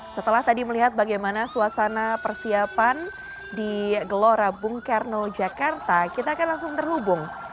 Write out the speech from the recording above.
setelah tadi melihat bagaimana suasana persiapan di gelora bung karno jakarta kita akan langsung terhubung